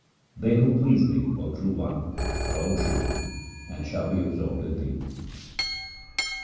They who please Thee, O True One, are all true, and shall be absorbed in Thee.